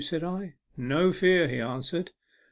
" said I. " No fear," he answered.